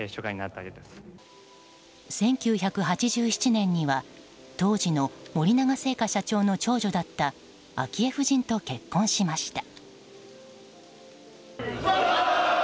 １９８７年には当時の森永製菓社長の長女だった昭恵夫人と結婚しました。